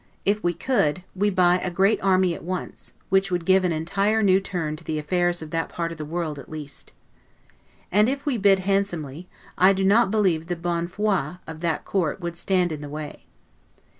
If we could, we buy a great army at once; which would give an entire new turn to the affairs of that part of the world at least. And if we bid handsomely, I do not believe the 'bonne foi' of that Court would stand in the way.